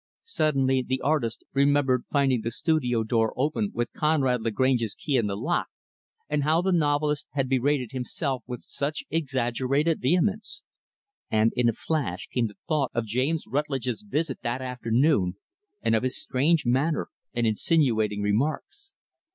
Suddenly, the artist remembered finding the studio door open with Conrad Lagrange's key in the lock, and how the novelist had berated himself with such exaggerated vehemence; and, in a flash, came the thought of James Rutlidge's visit, that afternoon, and of his strange manner and insinuating remarks.